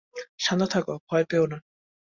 শান্ত থাকো, ভয় পেয়ো না।